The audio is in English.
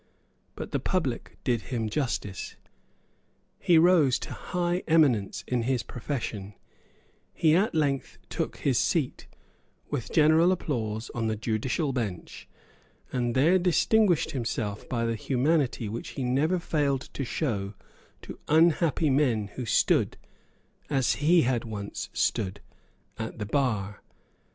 But the public did him justice. He rose to high eminence in his profession; he at length took his seat, with general applause, on the judicial bench, and there distinguished himself by the humanity which he never failed to show to unhappy men who stood, as he had once stood, at the bar.